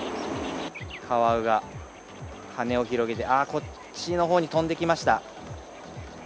カワウが羽を広げて、ああ、こっちのほうに飛んできました。